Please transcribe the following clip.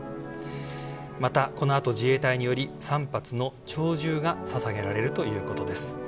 また、このあと自衛隊により３発の弔銃が捧げられるということです。